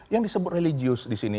yang disebut religius disini